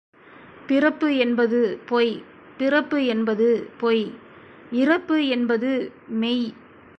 பிறப்பு என்பது பொய் பிறப்பு என்பது பொய் இறப்பு என்பது மெய்.